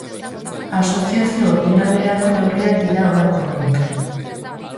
Asoziazio ordinalerako neurriak dira honako hauek.